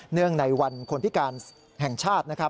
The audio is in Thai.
เนื่องในวันคนพิการแห่งชาติ